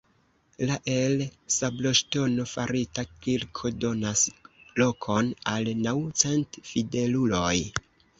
La el sabloŝtono farita kirko donas lokon al naŭ cent fideluloj.